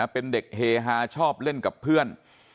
เป็นเด็กเฮฮาชอบเล่นกับเพื่อน